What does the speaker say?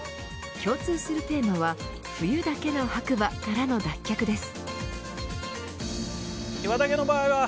共通するテーマは冬だけの白馬、からの脱却です。